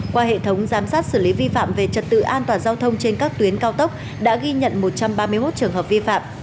qua hệ thống giám sát xử lý vi phạm về trật tự an toàn giao thông trên các tuyến cao tốc đã ghi nhận một trăm ba mươi một trường hợp vi phạm